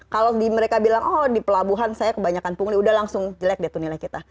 kalau mereka bilang oh di pelabuhan saya kebanyakan pungli udah langsung jelek deh tuh nilai kita